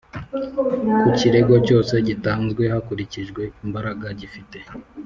Ku kirego cyose gitanzwe hakurikijwe imbaraga gifite